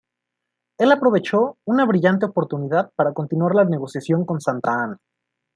Él aprovechó una brillante oportunidad para continuar la negociación con Santa Anna.